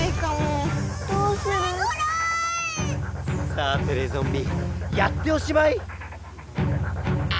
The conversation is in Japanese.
さあテレゾンビやっておしまい！